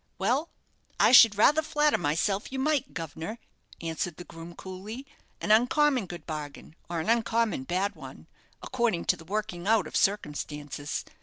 "Well, I should rather flatter myself you might, guv'nor," answered the groom, coolly, "an uncommon good bargain, or an uncommon bad one, according to the working out of circumstances.